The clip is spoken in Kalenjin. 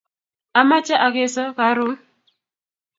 Amache akeso karun